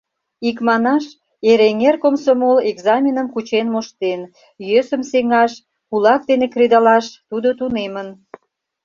Икманаш, Эреҥер комсомол экзаменым кучен моштен, йӧсым сеҥаш, кулак дене кредалаш тудо тунемын.